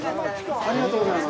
ありがとうございます。